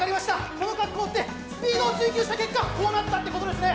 この格好ってスピードを追求した結果こうなったってことですね